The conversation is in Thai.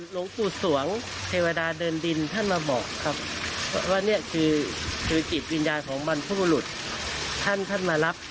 หลงตุษศวงศ์เทวดาเดินดินท่านมาบอกครับว่าเนี่ยคือชีวิตจิตวิญญาณของบรรพบุรุษท่านมารับ